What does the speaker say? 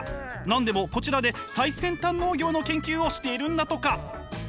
何でもこちらで最先端農業の研究をしているんだとか。